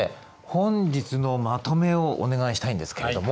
本日のまとめをお願いしたいんですけれども。